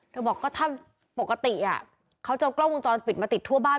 บอกก็ถ้าปกติเขาจะเอากล้องวงจรปิดมาติดทั่วบ้าน